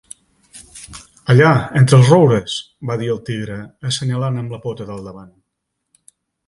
"Allà, entre els roures", va dir el tigre, assenyalant amb la pota del davant.